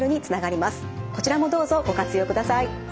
こちらもどうぞご活用ください。